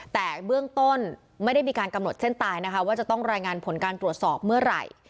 แต่เบื้องต้นไม่ได้มีการกำหนดเส้นตายนะคะว่าจะต้องรายงานผลการตรวจสอบเมื่อไหร่